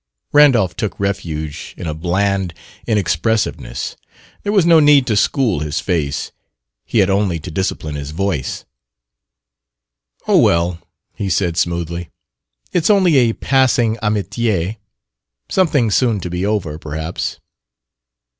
Randolph took refuge in a bland inexpressiveness. There was no need to school his face: he had only to discipline his voice. "Oh, well," he said smoothly, "it's only a passing amitié something soon to be over, perhaps."